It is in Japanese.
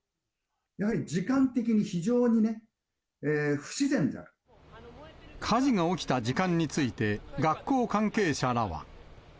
やはり時間的に非常にね、不自然火事が起きた時間について、学校関係者らは。